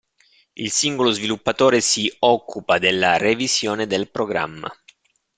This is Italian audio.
Il singolo sviluppatore si occupa della revisione del programma.